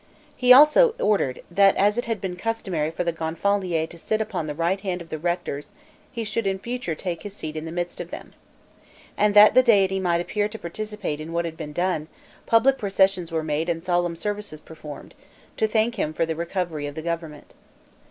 He also ordered, that as it had been customary for the gonfalonier to sit upon the right hand of the rectors, he should in future take his seat in the midst of them. And that the Deity might appear to participate in what had been done, public processions were made and solemn services performed, to thank him for the recovery of the government.